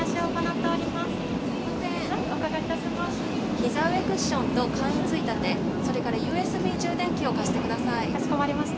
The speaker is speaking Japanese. ひざ上クッションと簡易ついたて、それからＵＳＢ充電器を貸してください。